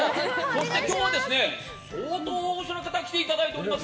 そして今日は、相当大御所の方に来ていただいております。